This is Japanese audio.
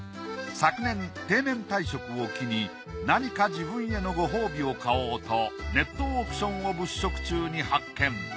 昨年定年退職を機に何か自分へのご褒美を買おうとネットオークションを物色中に発見。